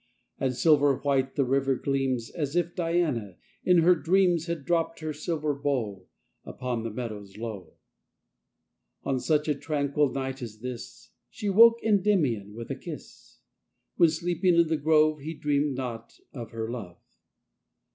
5 And silver white the river gleams, As if Diana, in her dreams, • Had dropt her silver bow Upon the meadows low. On such a tranquil night as this, io She woke Kndymion with a kis^, When, sleeping in tin grove, He dreamed not of her love.